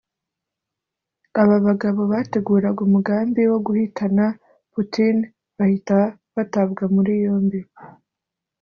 aba bagabo bateguraga umugambi wo guhitana Putin bahita batabwa muri yombi